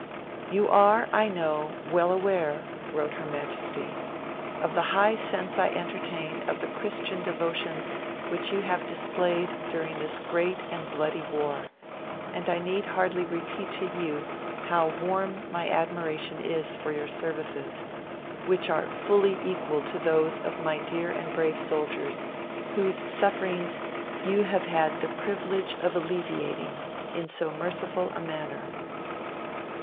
'You are, I know, well aware,' wrote Her Majesty, 'of the high sense I entertain of the Christian devotion which you have displayed during this great and bloody war, and I need hardly repeat to you how warm my admiration is for your services, which are fully equal to those of my dear and brave soldiers, whose sufferings you have had the privilege of alleviating in so merciful a manner.